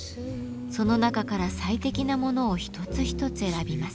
その中から最適なものを一つ一つ選びます。